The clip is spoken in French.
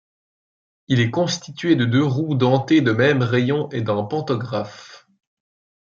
Il est constitué de deux roues dentées de même rayon et d'un pantographe.